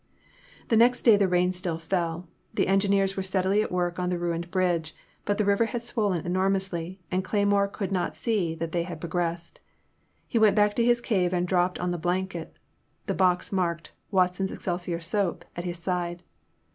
The next day the rain still fell; the engineers were steadily at work on the ruined bridge, but the river had swollen enormously, and Cleymore could not see that they had progressed. He went back to his cave and dropped on the blanket, the box marked Watson* s Excelsior Soap" at his side.